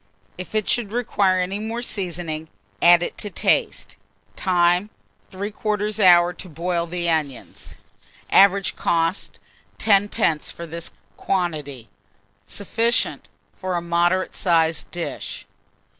If it should require any more seasoning, add it to taste. Time. 3/4 hour to boil the onions. Average cost, 10d. for this quantity. Sufficient for a moderate sized dish.